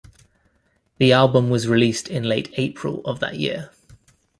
The album was released in late April of that year.